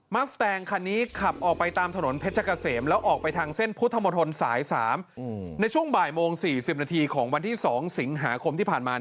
มัสแตงคันนี้ขับออกไปตามถนนเพชรกะเสม